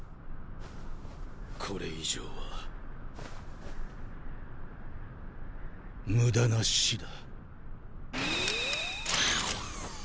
これ以上は無駄な死だ。